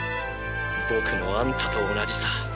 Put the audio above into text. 僕もあんたと同じさ。